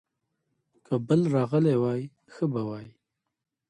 که بل راغلی وای، ښه به وای.